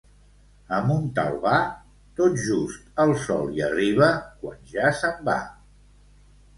A Montalbà, tot just el sol hi arriba, que ja se'n va.